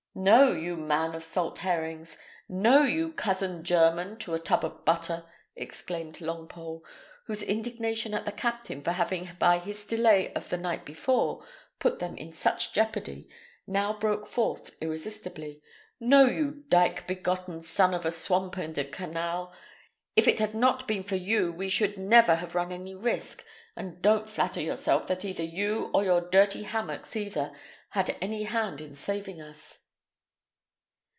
"No, you man of salt herrings! No, you cousin german to a tub of butter!" exclaimed Longpole, whose indignation at the captain for having by his delay of the night before put them in such jeopardy now broke forth irresistibly. "No, you dyke begotten son of a swamp and a canal! If it had not been for you we should never have run any risk, and don't flatter yourself that either you or your dirty hammocks either had any hand in saving us."